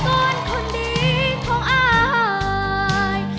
ถึงวิสาหกรคนดีของไอ